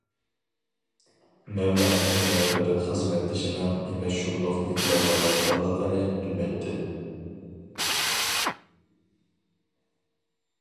مەۋلان يەنە بىر خىزمەتدىشىنىڭ نېمە شۇملۇقنى پىلانلاۋاتقانلىقىنى بىلمەيتتى.